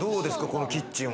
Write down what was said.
このキッチンは。